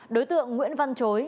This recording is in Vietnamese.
đối tượng nguyễn văn chối